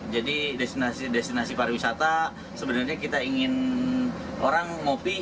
jadi destinasi pariwisata sebenarnya kita ingin orang ngopi